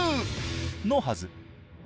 のはず。